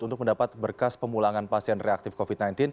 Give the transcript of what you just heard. untuk mendapat berkas pemulangan pasien reaktif covid sembilan belas